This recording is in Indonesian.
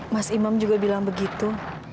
mas imam juga bilang begitu